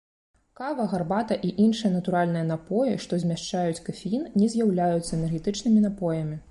Кава, гарбата і іншыя натуральныя напоі, што змяшчаюць кафеін, не з'яўляюцца энергетычнымі напоямі.